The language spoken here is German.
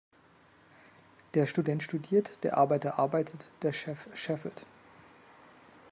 Der Student studiert, der Arbeiter arbeitet, der Chef scheffelt.